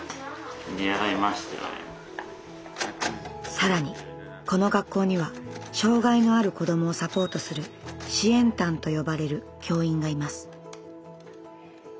更にこの学校には障害のある子どもをサポートする「支援担」と呼ばれる教員がいます。